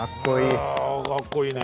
わかっこいいね。